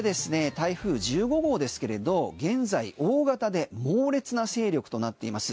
台風１５号ですけれど現在、大型で猛烈な勢力となっています。